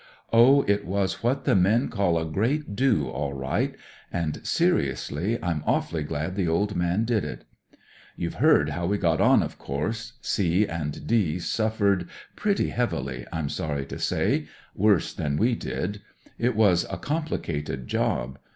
Oh, it was what the men call a great * do ' all right, and seriously I'm a^vfully glad the old man did it. " You've heard how we got on, of coiurse. * C ' and * D ' suffered pretty heavily, I'm sorry to say — worse than we did. It was a complicated job.